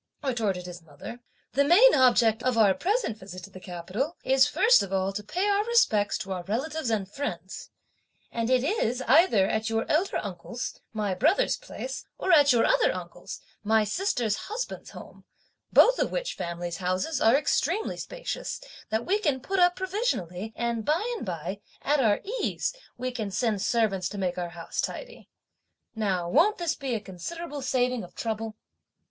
retorted his mother; "the main object of our present visit to the capital is first of all to pay our respects to our relatives and friends; and it is, either at your elder uncle's, my brother's place, or at your other uncle's, my sister's husband's home, both of which families' houses are extremely spacious, that we can put up provisionally, and by and bye, at our ease, we can send servants to make our house tidy. Now won't this be a considerable saving of trouble?"